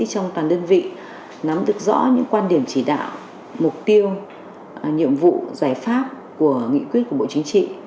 trong toàn đơn vị nắm được rõ những quan điểm chỉ đạo mục tiêu nhiệm vụ giải pháp của nghị quyết của bộ chính trị